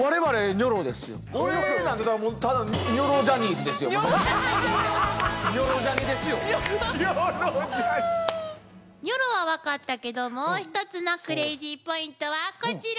ニョロは分かったけどもう一つのクレージーポイントはこちら。